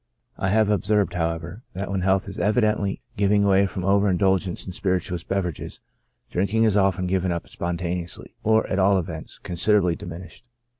'" I have observed, however, that when health is evidently giving way from over indulgence in spirituous beverages, drinking is often given up spontaneously, or, at all events, considerably di minished.